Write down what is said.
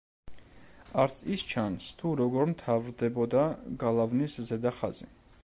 არც ის ჩანს, თუ როგორ მთავრდებოდა გალავნის ზედა ხაზი.